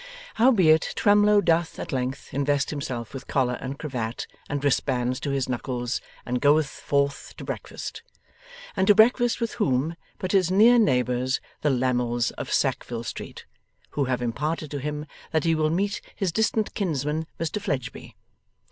Howbeit, Twemlow doth at length invest himself with collar and cravat and wristbands to his knuckles, and goeth forth to breakfast. And to breakfast with whom but his near neighbours, the Lammles of Sackville Street, who have imparted to him that he will meet his distant kinsman, Mr Fledgely.